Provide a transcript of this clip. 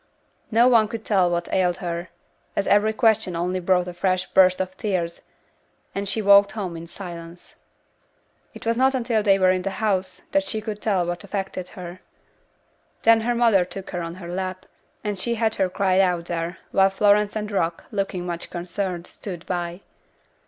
No one could tell what ailed her, as every question only brought a fresh burst of tears, and she walked home in silence. It was not until they were in the house, that she could tell what affected her. Then her mother took her on her lap, and she had her cry out there, while Florence and Rock, looking much concerned, stood by.